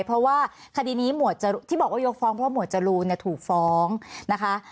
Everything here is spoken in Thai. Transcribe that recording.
เพราะว่าคดีนี้ที่บอกว่ายกฟ้องเพราะหมวดจรูนถูกฟ้องนะคะ